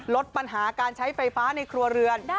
ลดปัญหาการใช้ไฟฟ้าในครัวเรือน